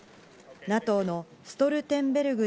ＮＡＴＯのストルテンベルグ